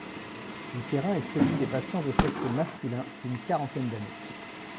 Le terrain est celui des patients de sexe masculin, d'une quarantaine d'années.